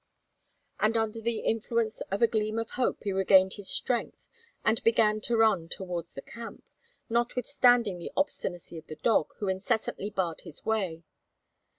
And under the influence of a gleam of hope he regained his strength and began to run towards the camp, notwithstanding the obstinacy of the dog, who incessantly barred his way.